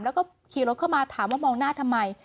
แล้วก็ขี่รถเข้ามาถามว่ามองหน้าทำไม